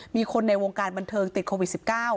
มีคนในวงการบันเทิงติดโควิด๑๙